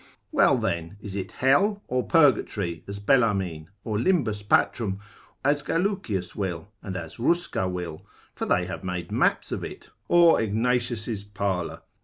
Well then, is it hell, or purgatory, as Bellarmine: or Limbus patrum, as Gallucius will, and as Rusca will (for they have made maps of it) or Ignatius parler?